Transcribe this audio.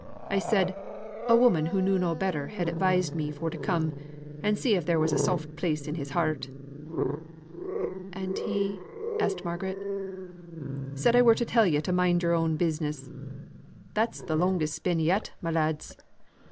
I said a woman who knew no better had advised me for to come and see if there was a soft place in his heart." "And he ?" asked Margaret. "Said I were to tell yo' to mind yo'r own business. That's the longest spin yet, my lads.